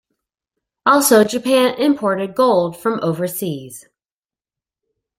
Also Japan imported gold from overseas.